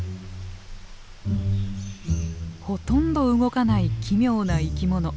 ほとんど動かない奇妙な生き物。